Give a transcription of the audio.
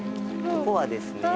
ここはですね